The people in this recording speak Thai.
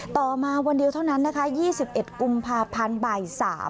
ต่อมาวันเดียวเท่านั้นนะคะ๒๑กุมภาพันธ์บ่าย๓